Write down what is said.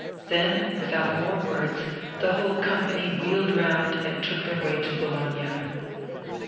Then, without more words, the whole company wheeled round, and took their way to Bologna.